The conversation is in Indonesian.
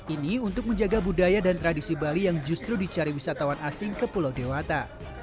ini untuk menjaga budaya dan tradisi bali yang justru dicari wisatawan asing ke pulau dewata